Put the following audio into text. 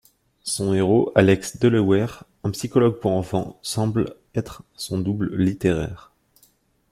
Son héros Alex Delaware, un psychologue pour enfants, semble être son double littéraire.